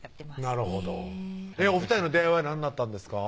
なるほどお２人の出会いは何だったんですか？